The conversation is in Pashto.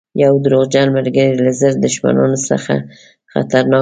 یو دروغجن ملګری له زرو دښمنانو څخه خطرناک دی.